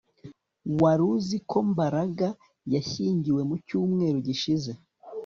Wari uzi ko Mbaraga yashyingiwe mu cyumweru gishize